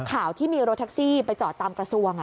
ข่าวที่มีรถแท็กซี่ไปจอดตามกระทรวง